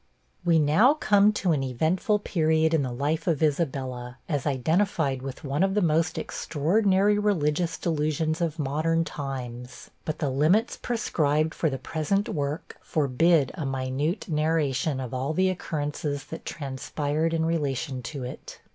We now come to an eventful period in the life of Isabella, as identified with one of the most extraordinary religious delusions of modern times; but the limits prescribed for the present work forbid a minute narration of all the occurrences that transpired in relation to it.